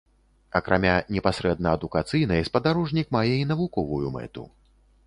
Акрамя непасрэдна адукацыйнай, спадарожнік мае і навуковую мэту.